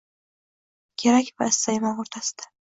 «Kerak va istayman o‘rtasida»